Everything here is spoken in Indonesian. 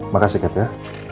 makasih kat ya